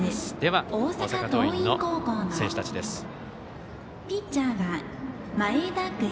では、大阪桐蔭の選手たちです。